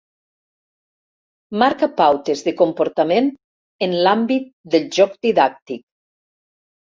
Marca pautes de comportament en l'àmbit del joc didàctic.